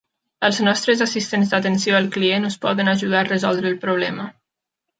Els nostres assistents d'atenció al client us poden ajudar a resoldre el problema.